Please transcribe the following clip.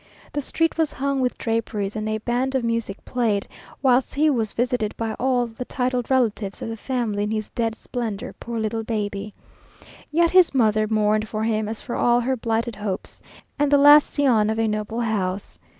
The street was hung with draperies, and a band of music played, whilst he was visited by all the titled relatives of the family in his dead splendour, poor little baby! Yet his mother mourned for him as for all her blighted hopes, and the last scion of a noble house.